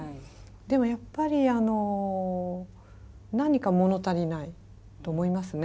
でもやっぱり何かもの足りないと思いますね。